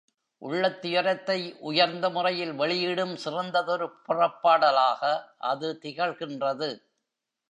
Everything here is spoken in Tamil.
உள்ளத் துயரத்தை உயர்ந்த முறையில் வெளியிடும் சிறந்ததொரு புறப்பாடலாக அது திகழ்கின்றது.